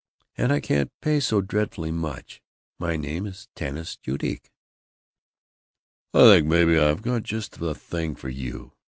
And I can't pay so dreadfully much. My name's Tanis Judique." "I think maybe I've got just the thing for you.